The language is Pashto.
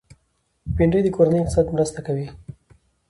بېنډۍ د کورني اقتصاد مرسته کوي